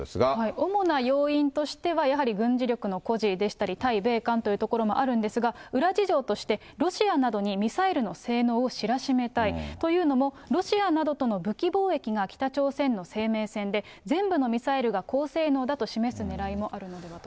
主な要因としてはやはり軍事力の誇示でしたり対米韓ということもあるんですが、裏事情としてロシアなどにミサイルの性能を知らしめたいというのも、ロシアなどとの武器貿易が北朝鮮の生命線で、全部のミサイルが高性能だと示すねらいもあるのではと。